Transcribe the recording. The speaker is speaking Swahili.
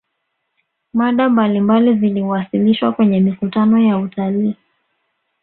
mada mbalimbali ziliwasilishwa kwenye mikutano ya utalii